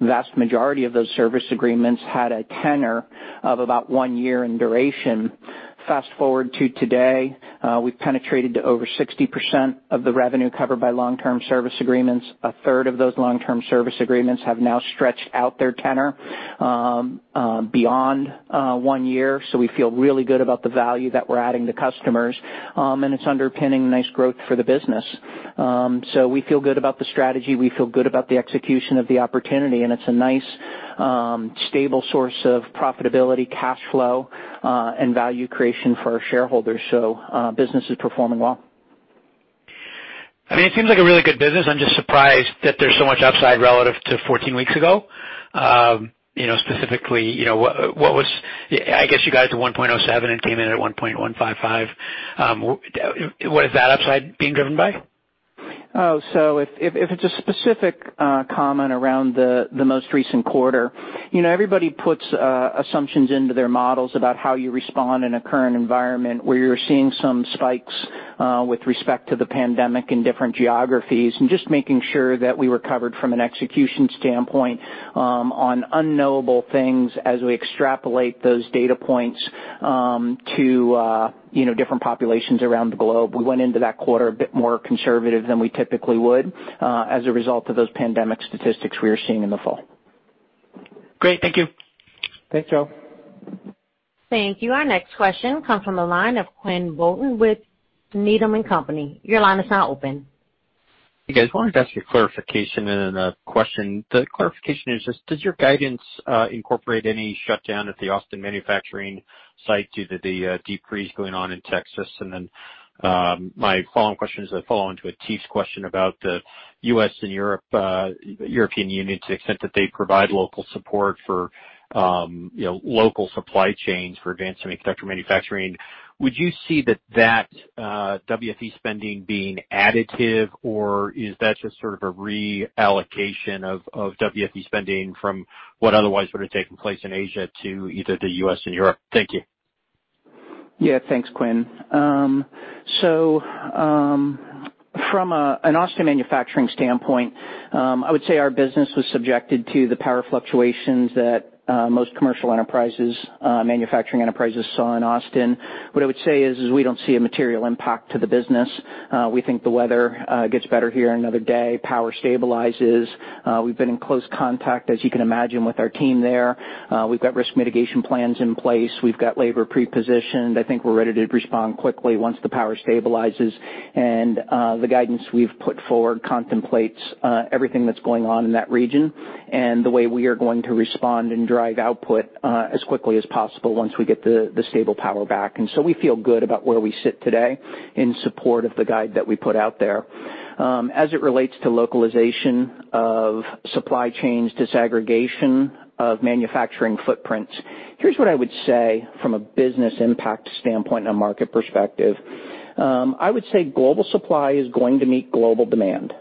[SPEAKER 4] Vast majority of those service agreements had a tenor of about one year in duration. Fast-forward to today, we've penetrated to over 60% of the revenue covered by long-term service agreements. A third of those long-term service agreements have now stretched out their tenor beyond one year. We feel really good about the value that we're adding to customers, and it's underpinning nice growth for the business. We feel good about the strategy. We feel good about the execution of the opportunity, and it's a nice, stable source of profitability, cash flow, and value creation for our shareholders. Business is performing well.
[SPEAKER 12] I mean, it seems like a really good business. I'm just surprised that there's so much upside relative to 14 weeks ago. I guess you guys were $1.07 and came in at $1.155. What is that upside being driven by?
[SPEAKER 4] If it's a specific comment around the most recent quarter, everybody puts assumptions into their models about how you respond in a current environment where you're seeing some spikes with respect to the pandemic in different geographies, and just making sure that we were covered from an execution standpoint on unknowable things as we extrapolate those data points to different populations around the globe. We went into that quarter a bit more conservative than we typically would as a result of those pandemic statistics we are seeing in the fall.
[SPEAKER 12] Great. Thank you.
[SPEAKER 4] Thanks, Joe.
[SPEAKER 1] Thank you. Our next question comes from the line of Quinn Bolton with Needham & Company. Your line is now open.
[SPEAKER 13] Hey, guys. Wanted to ask you a clarification and then a question. The clarification is this: Does your guidance incorporate any shutdown at the Austin manufacturing site due to the deep freeze going on in Texas? My follow-on question is a follow-on to Atif's question about the U.S. and European Union, to the extent that they provide local support for local supply chains for advanced semiconductor manufacturing. Would you see that WFE spending being additive, or is that just sort of a reallocation of WFE spending from what otherwise would've taken place in Asia to either the U.S. and Europe? Thank you.
[SPEAKER 4] Yeah. Thanks, Quinn. From an Austin manufacturing standpoint, I would say our business was subjected to the power fluctuations that most commercial manufacturing enterprises saw in Austin. What I would say is, we don't see a material impact to the business. We think the weather gets better here another day, power stabilizes. We've been in close contact, as you can imagine, with our team there. We've got risk mitigation plans in place. We've got labor pre-positioned. I think we're ready to respond quickly once the power stabilizes. The guidance we've put forward contemplates everything that's going on in that region and the way we are going to respond and drive output as quickly as possible once we get the stable power back. We feel good about where we sit today in support of the guide that we put out there. As it relates to localization of supply chains, disaggregation of manufacturing footprints, here's what I would say from a business impact standpoint and a market perspective. I would say global supply is going to meet global demand.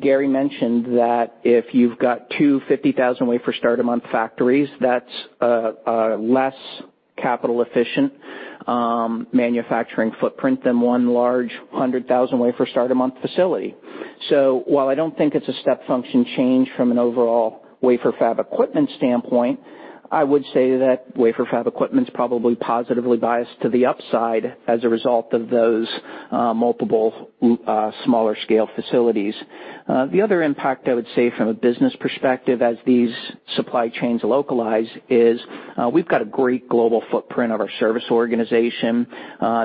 [SPEAKER 4] Gary mentioned that if you've got two 50,000 wafer starts per month factories, that's a less capital-efficient manufacturing footprint than one large 100,000 wafer starts per month facility. While I don't think it's a step function change from an overall wafer fab equipment standpoint, I would say that wafer fab equipment's probably positively biased to the upside as a result of those multiple smaller scale facilities. The other impact I would say from a business perspective as these supply chains localize is we've got a great global footprint of our service organization.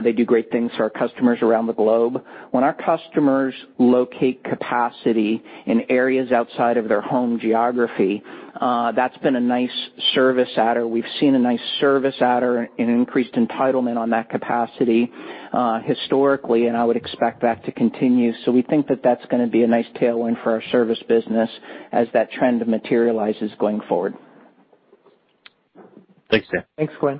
[SPEAKER 4] They do great things for our customers around the globe. When our customers locate capacity in areas outside of their home geography, that's been a nice service adder. We've seen a nice service adder and increased entitlement on that capacity historically. I would expect that to continue. We think that that's going to be a nice tailwind for our service business as that trend materializes going forward.
[SPEAKER 13] Thanks, Dan.
[SPEAKER 4] Thanks, Quinn.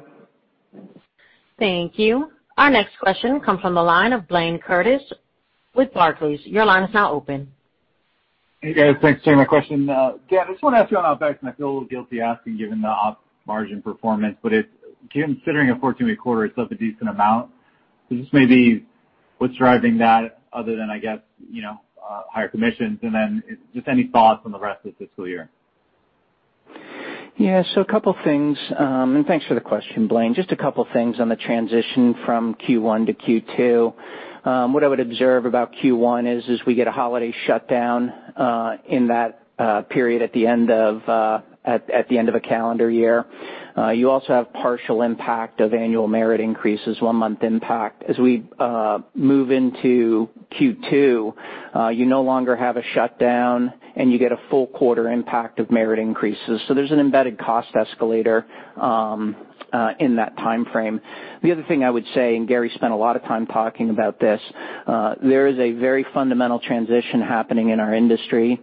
[SPEAKER 1] Thank you. Our next question comes from the line of Blayne Curtis with Barclays. Your line is now open.
[SPEAKER 14] Hey, guys. Thanks for taking my question. Dan, I just want to ask you on OpEx, and I feel a little guilty asking given the op margin performance, but considering a 14-week quarter, it's still a decent amount. Just maybe what's driving that other than, I guess, higher commissions, and then just any thoughts on the rest of the fiscal year?
[SPEAKER 4] Yeah. A couple things, and thanks for the question, Blayne. Just a couple things on the transition from Q1 to Q2. What I would observe about Q1 is we get a holiday shutdown in that period at the end of a calendar year. You also have partial impact of annual merit increases, one-month impact. We move into Q2, you no longer have a shutdown, and you get a full quarter impact of merit increases. There's an embedded cost escalator in that timeframe. The other thing I would say, and Gary spent a lot of time talking about this, there is a very fundamental transition happening in our industry.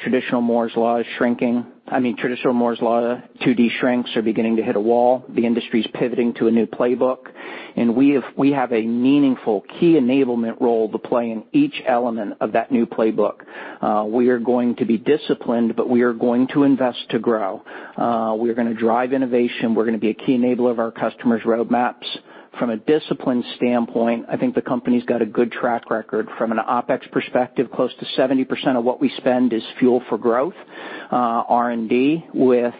[SPEAKER 4] Traditional Moore's Law is shrinking. I mean, traditional Moore's Law 2D shrinks are beginning to hit a wall. The industry's pivoting to a new playbook, and we have a meaningful key enablement role to play in each element of that new playbook. We are going to be disciplined, but we are going to invest to grow. We are going to drive innovation. We're going to be a key enabler of our customers' roadmaps. From a discipline standpoint, I think the company's got a good track record. From an OpEx perspective, close to 70% of what we spend is fuel for growth, R&D, with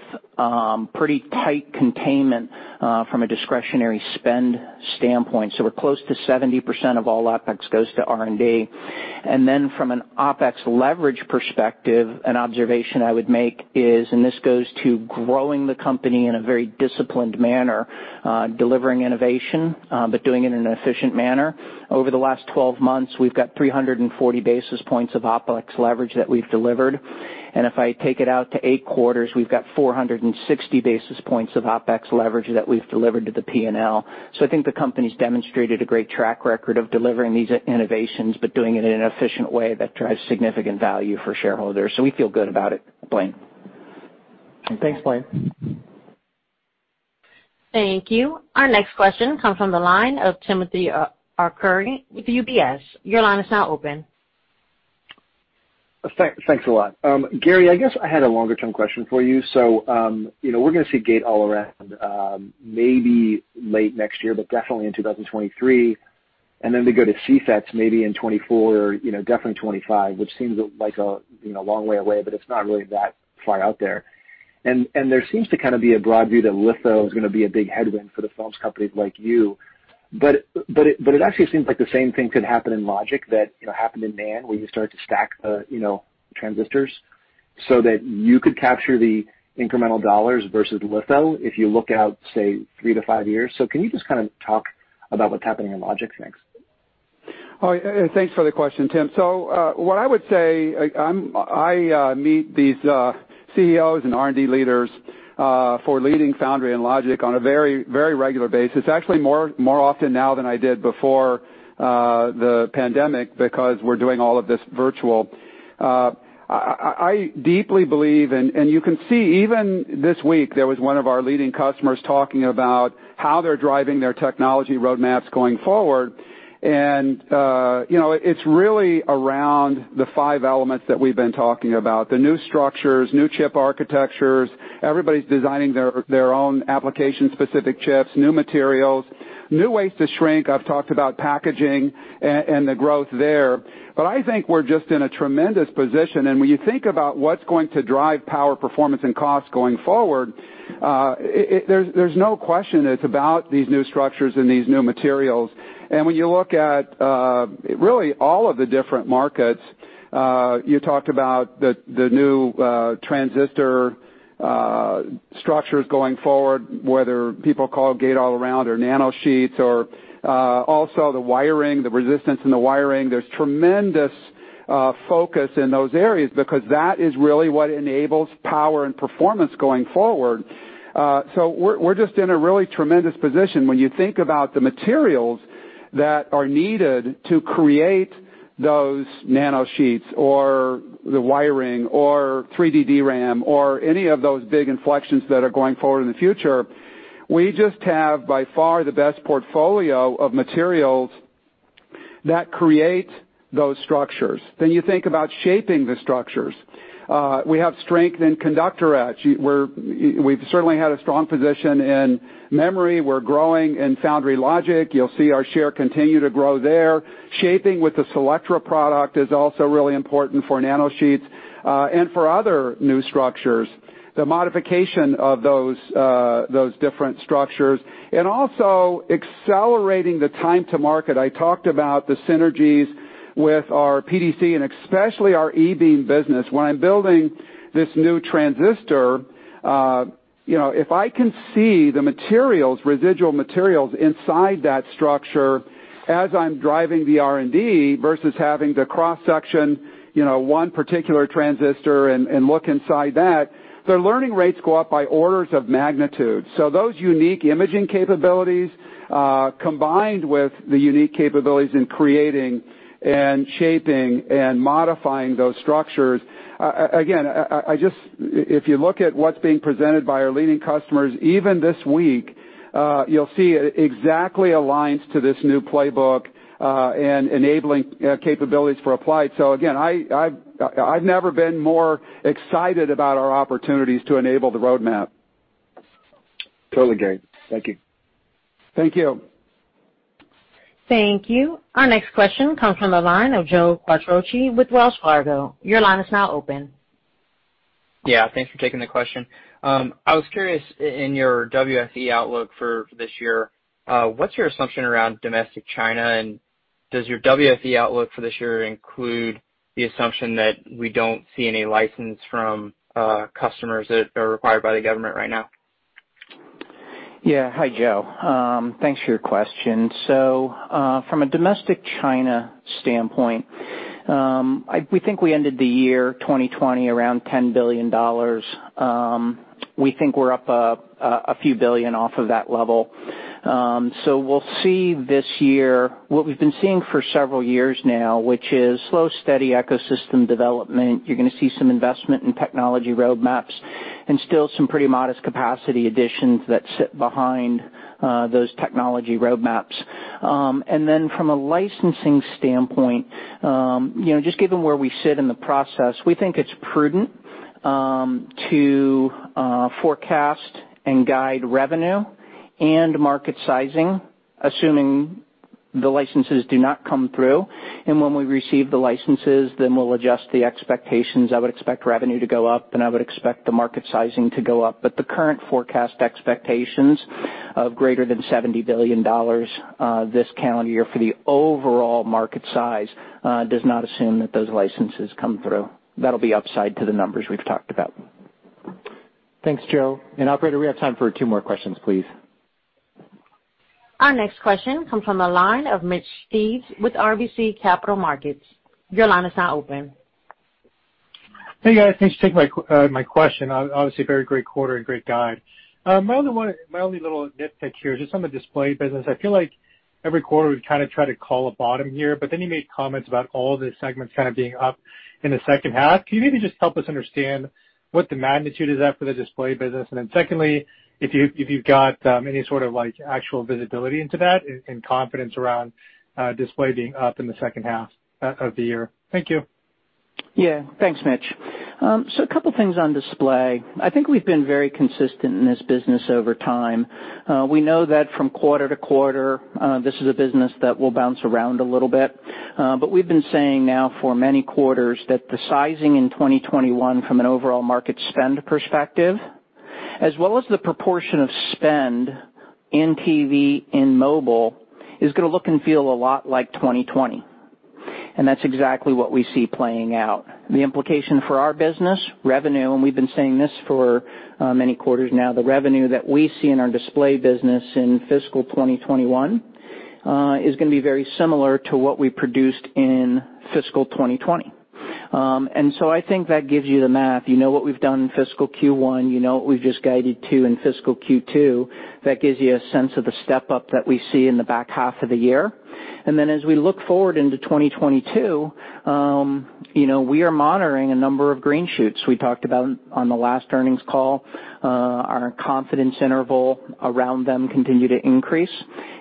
[SPEAKER 4] pretty tight containment from a discretionary spend standpoint. We're close to 70% of all OpEx goes to R&D. From an OpEx leverage perspective, an observation I would make is, and this goes to growing the company in a very disciplined manner, delivering innovation, but doing it in an efficient manner. Over the last 12 months, we've got 340 basis points of OpEx leverage that we've delivered, and if I take it out to eight quarters, we've got 460 basis points of OpEx leverage that we've delivered to the P&L. I think the company's demonstrated a great track record of delivering these innovations, but doing it in an efficient way that drives significant value for shareholders. We feel good about it, Blayne.
[SPEAKER 2] Thanks, Blayne.
[SPEAKER 1] Thank you. Our next question comes from the line of Timothy Arcuri with UBS. Your line is now open.
[SPEAKER 15] Thanks a lot. Gary, I guess I had a longer-term question for you. We're going to see gate-all-around maybe late next year, but definitely in 2023. We go to CFETs maybe in 2024, definitely 2025, which seems like a long way away, but it's not really that far out there. There seems to kind of be a broad view that litho is going to be a big headwind for the films companies like you, but it actually seems like the same thing could happen in logic that happened in NAND, where you start to stack the transistors so that you could capture the incremental dollars versus litho if you look out, say, three to five years. Can you just kind of talk about what's happening in logic? Thanks.
[SPEAKER 3] Thanks for the question, Tim. What I would say, I meet these Chief Executive Officers and R&D leaders for leading foundry and logic on a very regular basis, actually more often now than I did before the pandemic, because we're doing all of this virtual. I deeply believe, and you can see even this week, there was one of our leading customers talking about how they're driving their technology roadmaps going forward. It's really around the five elements that we've been talking about, the new structures, new chip architectures. Everybody's designing their own application-specific chips, new materials, new ways to shrink. I've talked about packaging and the growth there. I think we're just in a tremendous position. When you think about what's going to drive power, performance, and cost going forward, there's no question it's about these new structures and these new materials. When you look at really all of the different markets, you talked about the new transistor structures going forward, whether people call gate-all-around or nanosheets or also the wiring, the resistance in the wiring. There's tremendous focus in those areas because that is really what enables power and performance going forward. We're just in a really tremendous position. When you think about the materials that are needed to create those nanosheets or the wiring or 3D DRAM or any of those big inflections that are going forward in the future, we just have, by far, the best portfolio of materials that create those structures. You think about shaping the structures. We have strength in conductor etch. We've certainly had a strong position in memory. We're growing in foundry logic. You'll see our share continue to grow there. Shaping with the Selectra product is also really important for nanosheets, and for other new structures, the modification of those different structures, and also accelerating the time to market. I talked about the synergies with our PDC and especially our E-beam business. When I'm building this new transistor, if I can see the residual materials inside that structure as I'm driving the R&D versus having to cross-section one particular transistor and look inside that, the learning rates go up by orders of magnitude. Those unique imaging capabilities, combined with the unique capabilities in creating and shaping and modifying those structures, again, if you look at what's being presented by our leading customers, even this week, you'll see it exactly aligns to this new playbook, and enabling capabilities for Applied. Again, I've never been more excited about our opportunities to enable the roadmap.
[SPEAKER 15] Totally, Gary. Thank you.
[SPEAKER 3] Thank you.
[SPEAKER 1] Thank you. Our next question comes from the line of Joe Quatrochi with Wells Fargo. Your line is now open.
[SPEAKER 16] Thanks for taking the question. I was curious, in your WFE outlook for this year, what's your assumption around domestic China? Does your WFE outlook for this year include the assumption that we don't see any license from customers that are required by the government right now?
[SPEAKER 4] Yeah. Hi, Joe. Thanks for your question. From a domestic China standpoint, we think we ended the year 2020 around $10 billion. We think we're up a few billion off of that level. We'll see this year what we've been seeing for several years now, which is slow, steady ecosystem development. You're going to see some investment in technology roadmaps and still some pretty modest capacity additions that sit behind those technology roadmaps. From a licensing standpoint, just given where we sit in the process, we think it's prudent to forecast and guide revenue and market sizing, assuming the licenses do not come through. When we receive the licenses, then we'll adjust the expectations. I would expect revenue to go up, and I would expect the market sizing to go up. The current forecast expectations of greater than $70 billion this calendar year for the overall market size does not assume that those licenses come through. That'll be upside to the numbers we've talked about.
[SPEAKER 3] Thanks, Joe. Operator, we have time for two more questions, please.
[SPEAKER 1] Our next question comes from the line of Mitch Steves with RBC Capital Markets. Your line is now open.
[SPEAKER 17] Hey, guys, thanks for taking my question. Obviously, very great quarter and great guide. My only little nitpick here, just on the display business, I feel like every quarter we kind of try to call a bottom here, but then you made comments about all the segments kind of being up in the second half. Can you maybe just help us understand what the magnitude is at for the display business, and then secondly, if you've got any sort of actual visibility into that and confidence around display being up in the second half of the year. Thank you.
[SPEAKER 4] Yeah. Thanks, Mitch. A couple of things on display. I think we've been very consistent in this business over time. We know that from quarter-to-quarter, this is a business that will bounce around a little bit. We've been saying now for many quarters that the sizing in 2021 from an overall market spend perspective, as well as the proportion of spend in TV and mobile, is going to look and feel a lot like 2020. That's exactly what we see playing out. The implication for our business, revenue, and we've been saying this for many quarters now, the revenue that we see in our display business in fiscal 2021 is going to be very similar to what we produced in fiscal 2020. I think that gives you the math. You know what we've done in fiscal Q1, you know what we've just guided to in fiscal Q2. That gives you a sense of the step-up that we see in the back half of the year. As we look forward into 2022, we are monitoring a number of green shoots. We talked about on the last earnings call, our confidence interval around them continue to increase,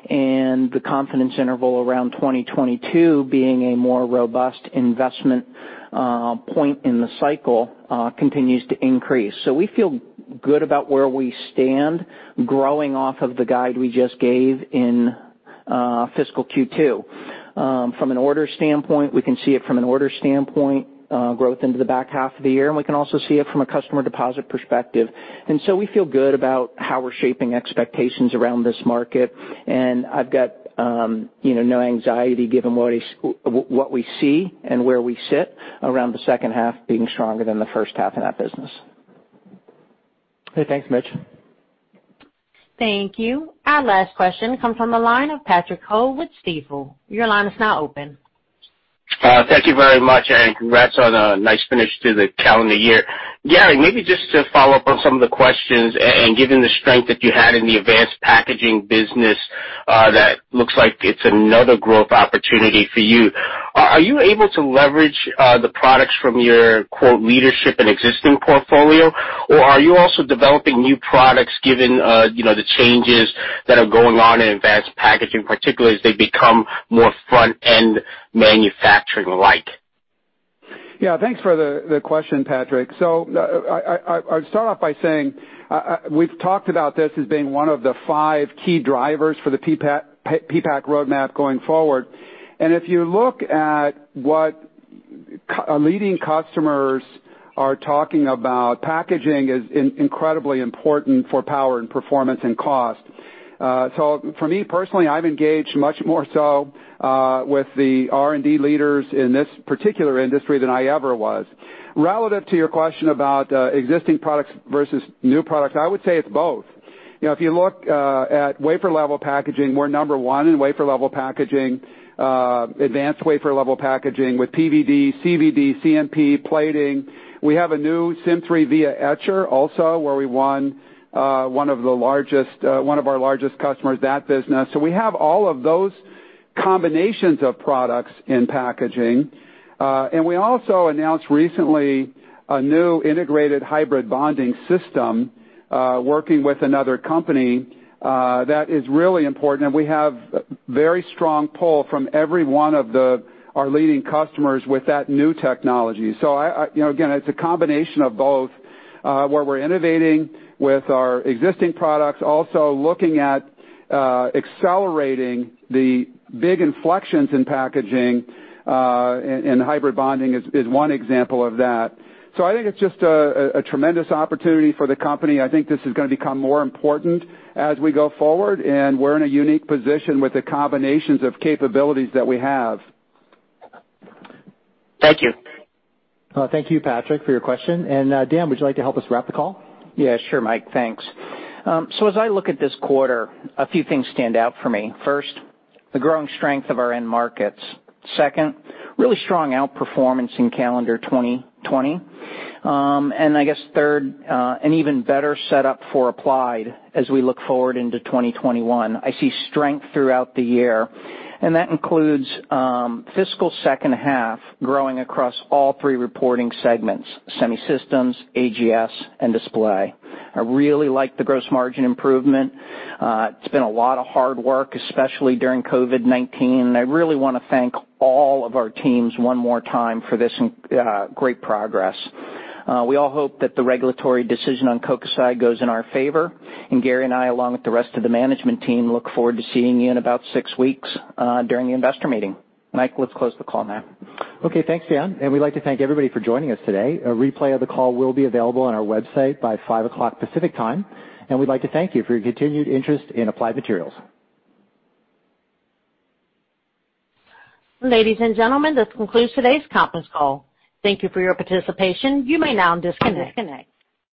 [SPEAKER 4] and the confidence interval around 2022 being a more robust investment point in the cycle, continues to increase. We feel good about where we stand growing off of the guide we just gave in fiscal Q2. From an order standpoint, we can see it from an order standpoint, growth into the back half of the year, and we can also see it from a customer deposit perspective. We feel good about how we're shaping expectations around this market, and I've got no anxiety given what we see and where we sit around the second half being stronger than the first half in that business.
[SPEAKER 2] Okay, thanks, Mitch.
[SPEAKER 1] Thank you. Our last question comes from the line of Patrick Ho with Stifel. Your line is now open.
[SPEAKER 18] Thank you very much, and congrats on a nice finish to the calendar year. Gary, maybe just to follow up on some of the questions, and given the strength that you had in the advanced packaging business, that looks like it's another growth opportunity for you. Are you able to leverage the products from your "leadership and existing portfolio," or are you also developing new products given the changes that are going on in advanced packaging, particularly as they become more front-end manufacturing like?
[SPEAKER 3] Yeah, thanks for the question, Patrick. I'd start off by saying, we've talked about this as being one of the five key drivers for the PPAC roadmap going forward, and if you look at what leading customers are talking about, packaging is incredibly important for power and performance and cost. For me personally, I'm engaged much more so with the R&D leaders in this particular industry than I ever was. Relative to your question about existing products versus new products, I would say it's both. If you look at wafer level packaging, we're number one in wafer level packaging, advanced wafer level packaging with PVD, CVD, CMP plating. We have a new Sym3 via etcher also where we won one of our largest customers that business. We have all of those combinations of products in packaging. We also announced recently a new integrated hybrid bonding system, working with another company that is really important, and we have very strong pull from every one of our leading customers with that new technology. Again, it's a combination of both, where we're innovating with our existing products, also looking at accelerating the big inflections in packaging, and hybrid bonding is one example of that. I think it's just a tremendous opportunity for the company. I think this is going to become more important as we go forward, and we're in a unique position with the combinations of capabilities that we have.
[SPEAKER 18] Thank you.
[SPEAKER 2] Thank you, Patrick, for your question. Dan, would you like to help us wrap the call?
[SPEAKER 4] Yeah, sure, Mike. Thanks. As I look at this quarter, a few things stand out for me. First, the growing strength of our end markets. Second, really strong outperformance in calendar 2020. I guess third, an even better setup for Applied as we look forward into 2021. I see strength throughout the year, and that includes fiscal second half growing across all three reporting segments, Semi Systems, AGS, and Display. I really like the gross margin improvement. It's been a lot of hard work, especially during COVID-19, and I really want to thank all of our teams one more time for this great progress. We all hope that the regulatory decision on Kokusai goes in our favor, and Gary and I, along with the rest of the management team, look forward to seeing you in about six weeks during the investor meeting. Mike, let's close the call now.
[SPEAKER 2] Okay, thanks, Dan. We'd like to thank everybody for joining us today. A replay of the call will be available on our website by 5:00 P.M. Pacific Time, and we'd like to thank you for your continued interest in Applied Materials.
[SPEAKER 1] Ladies and gentlemen, this concludes today's conference call. Thank you for your participation. You may now disconnect.